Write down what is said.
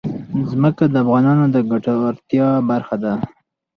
ځمکه د افغانانو د ګټورتیا برخه ده.